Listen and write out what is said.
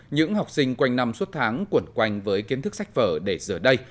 những học sinh quanh năm suốt tháng cuộn quanh với kiến thức sách vở để giờ đây